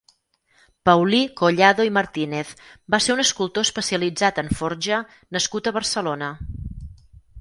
Paulí Collado i Martínez va ser un escultor especialitzat en forja nascut a Barcelona.